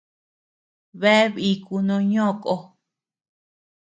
Bea bíku no ñó kó.